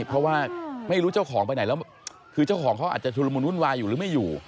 เพราะว่าไม่รู้เจ้าของไปไหนแล้วคือเจ้าของเขาอาจจะชุลมุนวุ่นวายอยู่หรือไม่อยู่